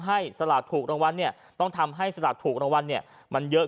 สลากถูกรางวัลต้องทำให้สลากถูกรางวัลมันเยอะ